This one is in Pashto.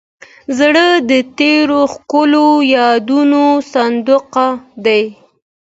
زړه د تېرو ښکلو یادونو صندوق دی.